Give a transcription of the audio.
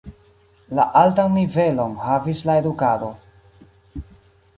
La altan nivelon havis la edukado.